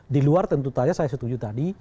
di luar tentu saja saya setuju tadi